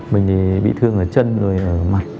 mình thì bị thương ở chân rồi ở mặt